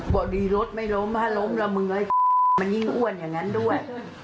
พอดีรถไม่ล้มถ้าล้มละมือมันยิ่งอ้วนอย่างนั้นด้วย